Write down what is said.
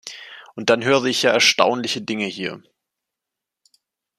Und dann höre ich ja erstaunliche Dinge hier.